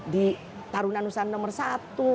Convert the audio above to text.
di tarunan nusan nomor satu